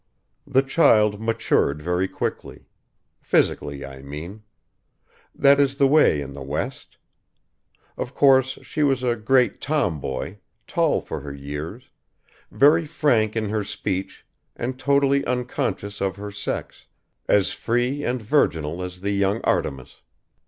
The child matured very quickly. Physically I mean. That is the way in the west. Of course she was a great tom boy, tall for her years, very frank in her speech and totally unconscious of her sex, as free and virginal as the young Artemis.